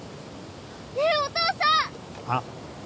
ねえお父さんあっ？